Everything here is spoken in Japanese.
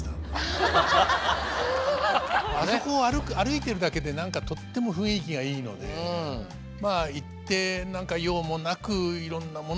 あそこを歩いてるだけでなんかとっても雰囲気がいいので行ってなんか用もなくいろんなもの買ってしまう町ですね。